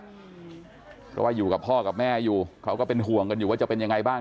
เพราะว่าอยู่กับพ่อกับแม่อยู่เขาก็เป็นห่วงกันอยู่ว่าจะเป็นยังไงบ้าง